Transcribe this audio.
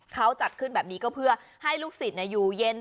เขาจัดขึ้นแบบนี้ก็เพื่อให้ลูกศิษย์อยู่เย็น